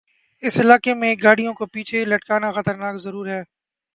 اس علاقے میں گاڑیوں کے پیچھے لٹکنا خطرناک ضرور ہے